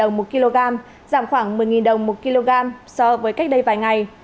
giảm khoảng một mươi đồng một kg so với cách đây vài ngày